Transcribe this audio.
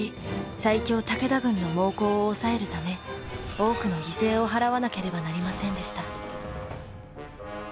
最強武田軍の猛攻を抑えるため多くの犠牲を払わなければなりませんでした。